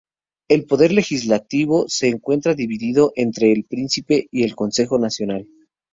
El poder legislativo se encuentra dividido entre el príncipe y el Consejo Nacional.